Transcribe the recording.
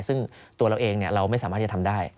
ซึ่งตัวเราเองเราไม่สามารถที่จะทำได้